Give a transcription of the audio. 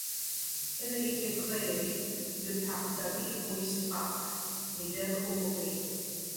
Elle a été créée le par David Oïstrakh et Lev Oborine.